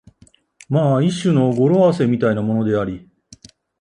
まあ一種の語呂合せみたいなものであり、